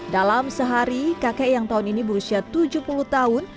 dalam sehari kakek yang tahun ini berusia tujuh puluh tahun